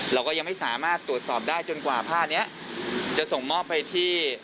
เราก็ยังไม่สามารถตรวจสอบได้จนกว่าผ้านี้จะส่งมอบไปที่